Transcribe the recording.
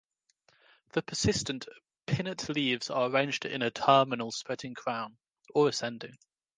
The persistent, pinnate leaves are arranged in a terminal spreading crown, or ascending.